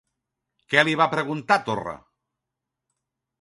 Què li va preguntar Torra?